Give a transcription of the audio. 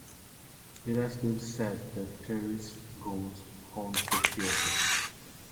It has been said that Terriss' ghost haunts the theatre.